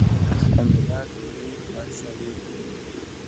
خمیره ډوډۍ پړسوي